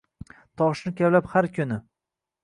Toshni kavlab har kuni